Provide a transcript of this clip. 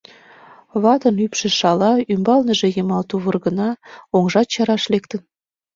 Ватын ӱпшӧ шала, ӱмбалныже йымал тувыр гына, оҥжат чараш лектын.